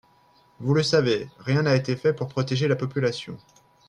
Vous le savez, rien n’a été fait pour protéger la population.